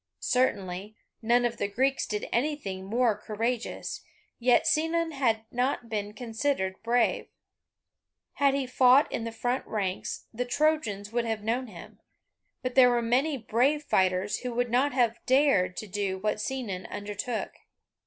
Certainly, none of the Greeks did anything more courageous, yet Sinon had not been considered brave. Had he fought in the front ranks, the Trojans would have known him; but there were many brave fighters who would not have dared to do what Sinon undertook.